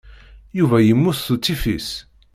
Yuba yemmut s utifis.